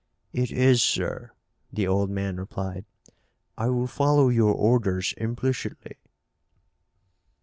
"It is, sir," the old man replied. "I will follow your orders implicitly."